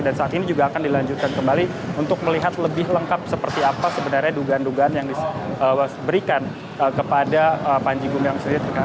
dan saat ini juga akan dilanjutkan kembali untuk melihat lebih lengkap seperti apa sebenarnya dugaan dugaan yang diberikan kepada panji gumilang sendiri